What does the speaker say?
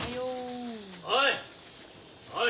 ・おい！